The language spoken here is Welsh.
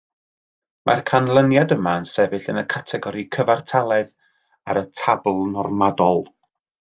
Mae'r canlyniad yma yn sefyll yn y categori cyfartaledd ar y tabl normadol